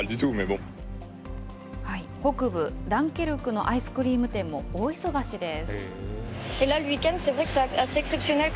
北部ダンケルクのアイスクリーム店も、大忙しです。